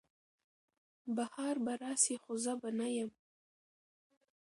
بهار به راسي خو زه به نه یم